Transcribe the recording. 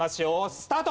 スタート！